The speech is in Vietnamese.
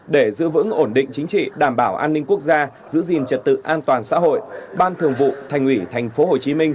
để giữ vững ổn định chính trị đảm bảo an ninh quốc gia giữ gìn trật tự an toàn xã hội ban thường vụ thành ủy tp hcm